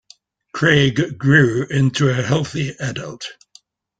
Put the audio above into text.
Craig grew into a healthy adult.